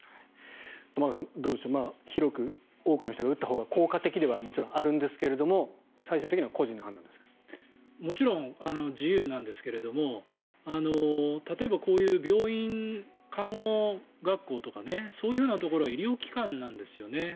玉川さん、どうでしょう多くの人が打ったほうが効果的ではもちろんあるんですがもちろん自由なんですけど例えば、こういう病院、看護学校とかそういうところは医療機関なんですよね。